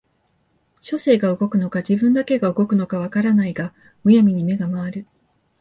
書生が動くのか自分だけが動くのか分からないが無闇に眼が廻る